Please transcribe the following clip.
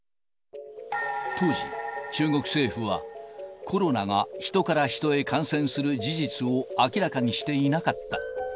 当時、中国政府は、コロナがヒトからヒトへ感染する事実を明らかにしていなかった。